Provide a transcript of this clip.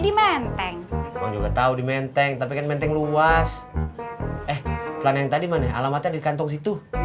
di menteng juga tahu di menteng tapi menteng luas eh selanjutnya dimana alamatnya di kantong situ